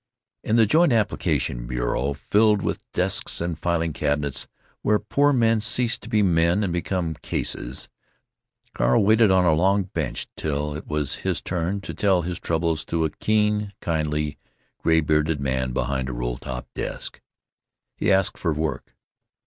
In the Joint Application Bureau, filled with desks and filing cabinets, where poor men cease to be men and become Cases, Carl waited on a long bench till it was his turn to tell his troubles to a keen, kindly, gray bearded man behind a roll top desk. He asked for work.